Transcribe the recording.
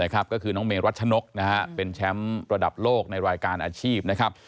ก็คือน้องเมรัชนกเป็นแชมป์ระดับโลกในรายการอาชีพนะครับ